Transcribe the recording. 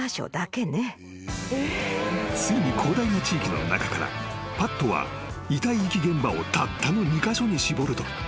［ついに広大な地域の中からパットは遺体遺棄現場をたったの２カ所に絞ると］